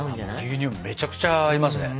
牛乳めっちゃくちゃ合いますね。